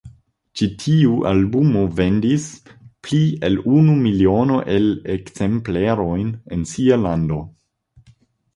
Ĉi tiu albumo vendis pli el unu miliono el ekzemplerojn en sia lando.